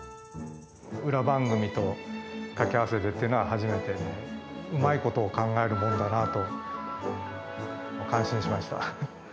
裏番組と掛け合わせてっていうのは初めてで、うまいことを考えるもんだなと感心しました。